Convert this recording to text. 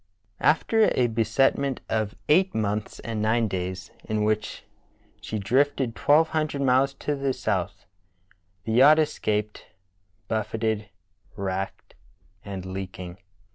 After a beset ment of eight months and nine days, in which she drifted twelve hundred miles to the south, the yacht escaped, buffeted, racked, and leaking.